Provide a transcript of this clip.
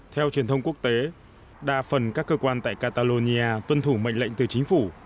theo truyền thông quốc tế đa phần các cơ quan tại catalonia tuân thủ mệnh lệnh từ chính phủ